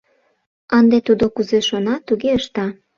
Ынде тудо кузе шона, туге ышта.